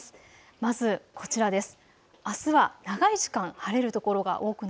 まず、こちらです。